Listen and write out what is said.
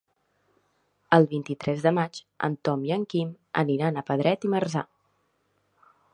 El vint-i-tres de maig en Tom i en Quim aniran a Pedret i Marzà.